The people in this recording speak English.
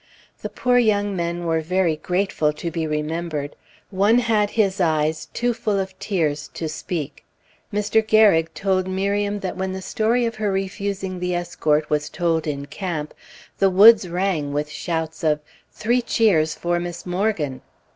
The poor young men were very grateful to be remembered; one had his eyes too full of tears to speak. Mr. Garig told Miriam that when the story of her refusing the escort was told in camp, the woods rang with shouts of "Three cheers for Miss Morgan!"